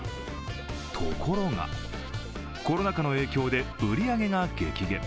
ところがコロナ禍の影響で売り上げが激減。